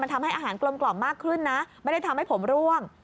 ทำให้อาหารกลมกล่อมมากขึ้นนะไม่ได้ทำให้ผมร่วง